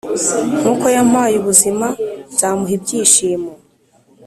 nkuko yampaye ubuzima nzamuha ibyishimo...